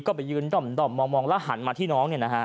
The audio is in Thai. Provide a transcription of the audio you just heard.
ก็ไปยืนด่อมมองแล้วหันมาที่น้อง